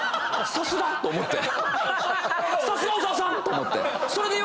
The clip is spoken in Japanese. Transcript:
さすが！と思って。